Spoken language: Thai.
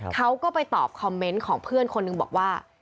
เขาก็ไปตอบคอมเมนต์ของเพื่อนคนหนึ่งบอกว่า